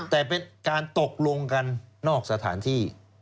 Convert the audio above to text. แต่เป็นการตกลงกันนอกสถานที่